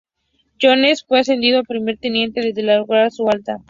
Jones fue ascendido a primer teniente antes de lograr su alta.